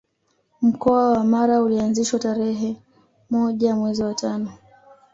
Mkoa wa Mara ulianzishwa tarerhe moja mwezi wa tano